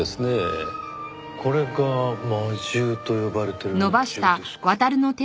これが魔銃と呼ばれてる銃ですか。